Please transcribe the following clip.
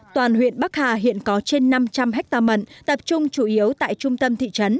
toàn huyện bắc hà hiện có trên năm trăm linh hectare mận tập trung chủ yếu tại trung tâm thị trấn